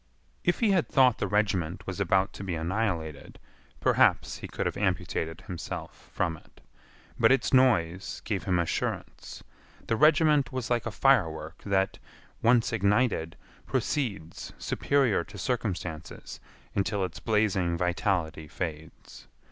If he had thought the regiment was about to be annihilated perhaps he could have amputated himself from it. But its noise gave him assurance. The regiment was like a firework that, once ignited, proceeds superior to circumstances until its blazing vitality fades.